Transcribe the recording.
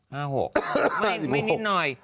ไม่ไม่ไงน้อย